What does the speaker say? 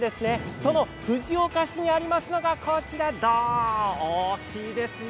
その藤岡市にありますのがこちら大きいですね。